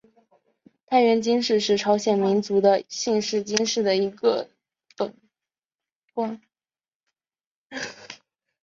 太原金氏是朝鲜民族的姓氏金姓的一个本贯。